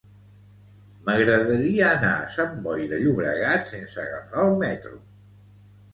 M'agradaria anar a Sant Boi de Llobregat sense agafar el metro.